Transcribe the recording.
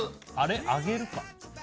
あれ、揚げるか？